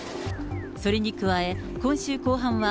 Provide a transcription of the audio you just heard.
それに加え、今週後半は、